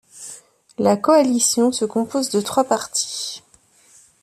La coalition se compose de trois partis.